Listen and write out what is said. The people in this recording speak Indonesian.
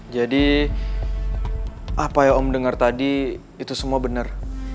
jadi apa yang om denger tadi itu semua bener